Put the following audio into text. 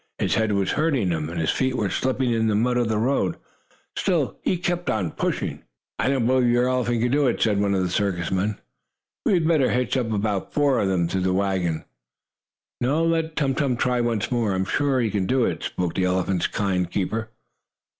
His head was hurting him, and his feet were slipping in the mud of the road. Still he kept on pushing. "I don't believe your elephant can do it," said one of the circus men. "We had better hitch about four of them to the wagon." "No, let Tum Tum try once more. I am sure he can do it," spoke the elephant's kind keeper.